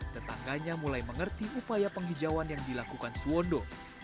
tetangganya mulai mengerti upaya penghijauan yang dilakukan suwondo